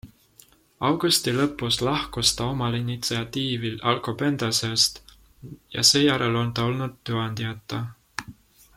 Augusti lõpus lahkus ta omal initsiatiivil Alcobendasest ja seejärel on ta olnud tööandjata.